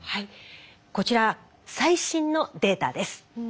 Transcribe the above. こちら最新のデータです。